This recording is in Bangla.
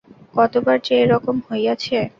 কতবার যে এ রকম হইয়াছে।